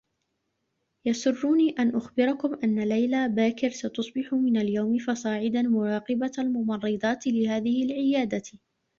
يسرّني أن أخبركم أنّ ليلى باكر ستصبح من اليوم فصاعدا مراقبة الممرّضات لهذه العيادة.